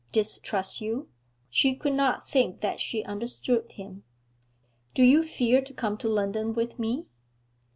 'Distrust you?' She could not think that she understood him. 'Do you fear to come to London with me?'